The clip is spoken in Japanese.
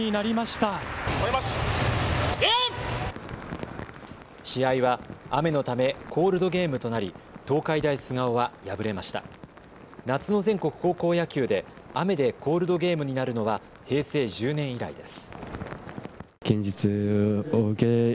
夏の全国高校野球で雨でコールドゲームになるのは平成１０年以来です。